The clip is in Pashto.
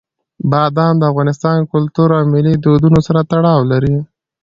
بادام د افغان کلتور او ملي دودونو سره تړاو لري.